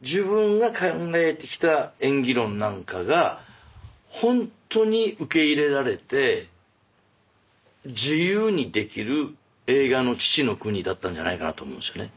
自分が考えてきた演技論なんかがほんとに受け入れられて自由にできる映画の父の国だったんじゃないかなと思うんですよね。